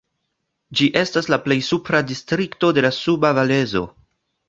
Ĝi estas la plej supra distrikto de la Suba Valezo.